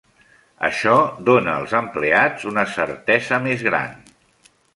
Això dóna als empleats una certesa més gran.